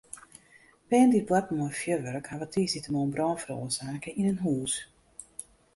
Bern dy't boarten mei fjurwurk hawwe tiisdeitemoarn brân feroarsake yn in hús.